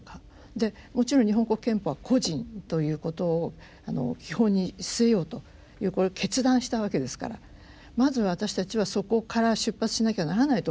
でもちろん日本国憲法は個人ということを基本に据えようというこれ決断したわけですからまず私たちはそこから出発しなきゃならないと思います。